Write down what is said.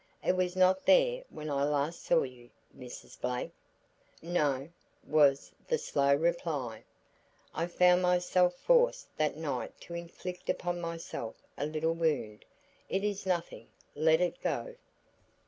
"It was not there when I last saw you, Mrs. Blake." "No," was the slow reply, "I found myself forced that night to inflict upon myself a little wound. It is nothing, let it go."